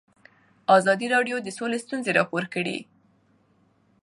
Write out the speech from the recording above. ازادي راډیو د سوله ستونزې راپور کړي.